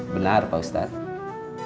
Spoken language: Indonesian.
benar pak ustadz